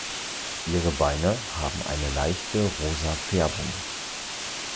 Ihre Beine haben eine leichte rosa Färbung.